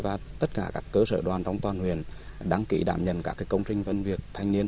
và tất cả các cơ sở đoàn trong toàn huyện đăng ký đảm nhận các công trình phần việc thanh niên